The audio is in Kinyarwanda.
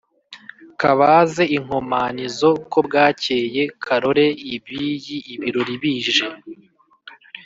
kabaze inkomanizo ko bwakeye; karore ibiìyi ibirori bije;